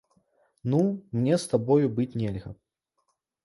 Ну, мне з табою быць нельга.